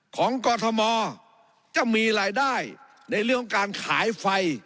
กรทมจะมีรายได้ในเรื่องของการขายไฟ